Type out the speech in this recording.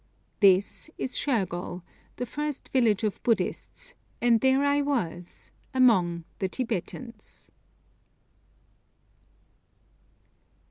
This is Shergol, the first village of Buddhists, and there I was 'among the Tibetans.'